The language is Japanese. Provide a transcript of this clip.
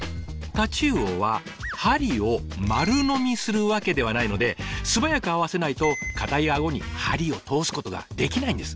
タチウオは針を丸飲みするわけではないので素早くアワせないと硬い顎に針を通すことができないんです。